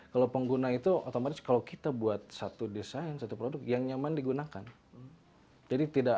kalau pengguna itu otomatis kalau kita buat satu desain satu produk yang nyaman digunakan jadi tidak